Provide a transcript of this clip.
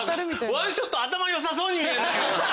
ワンショト頭良さそうに見える。